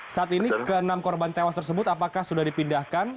saat ini ke enam korban tewas tersebut apakah sudah dipindahkan